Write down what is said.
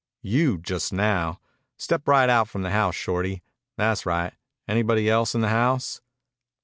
"You just now. Step right out from the house, Shorty. Tha's right. Anybody else in the house?"